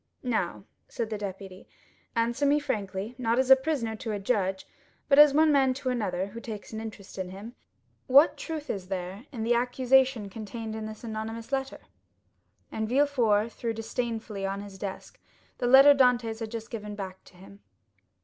"Now," said the deputy, "answer me frankly, not as a prisoner to a judge, but as one man to another who takes an interest in him, what truth is there in the accusation contained in this anonymous letter?" And Villefort threw disdainfully on his desk the letter Dantès had just given back to him.